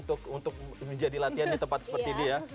untuk menjadi latihan di tempat seperti ini ya